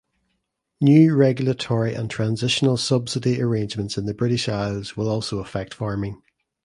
New regulatory and transitional subsidy arrangements in the British Isles will also affect farming.